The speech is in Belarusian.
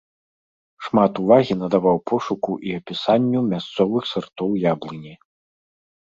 Шмат увагі надаваў пошуку і апісанню мясцовых сартоў яблыні.